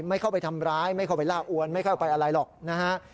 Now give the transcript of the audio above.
ไม่เข้าไปทำร้ายไม่เข้าไปล่าอวนไม่เข้าไปอะไรหรอกนะฮะ